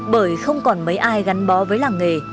bởi không còn mấy ai gắn bó với làng nghề